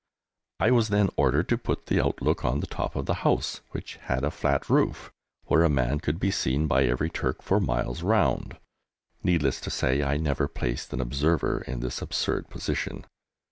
I was then ordered to put the outlook on the top of the house, which had a flat roof, where a man would be seen by every Turk for miles round! Needless to say, I never placed an observer in this absurd position.